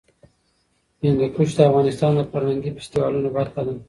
هندوکش د افغانستان د فرهنګي فستیوالونو برخه ده.